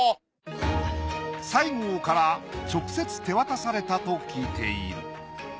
西郷から直接手渡されたと聞いている。